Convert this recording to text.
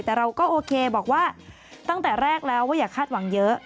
แต่เราก็โอเคบอกว่าตั้งแต่แรกแล้วว่าอย่าคาดหวังเยอะ